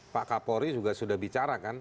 pak kapolri juga sudah bicara kan